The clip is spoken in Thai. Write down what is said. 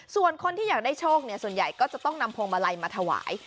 ส่วนคนที่อยากได้โชคส่วนใหญ่ก็จะต้องนำพวงมาลัยมาถวาย